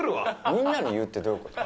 みんなに言うってどういう事？